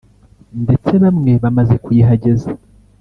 ndetse bamwe bamaze kuyihageza